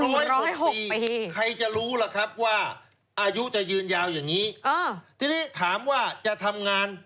ใครจะรู้ล่ะครับว่าอายุจะยืนยาวอย่างนี้ทีนี้ถามว่าจะทำงาน